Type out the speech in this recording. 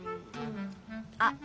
あっ！